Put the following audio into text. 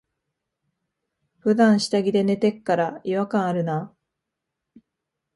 ふだん下着で寝てっから、違和感あるな。